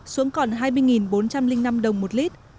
xuống còn hai mươi bốn trăm linh năm đồng một lít